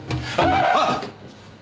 あっ！